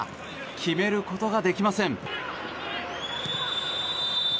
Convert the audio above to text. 決めることができません。